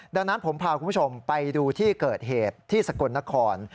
ดังนั้นผมพาคุณผู้ชมไปดูที่เกิดเหตุที่สกลนคร